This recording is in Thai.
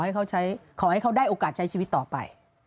ขอให้เขาได้โอกาสใช้ชีวิตต่อไป